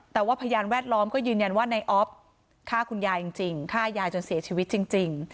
แต่ว่าพยานแวดล้อมก็ยืนยันว่านายอ๊อฟฆ่าคุณยายจนเสียชีวิตจริง